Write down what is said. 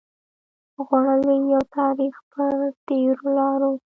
غوړولي يو تاريخ پر تېرو لارو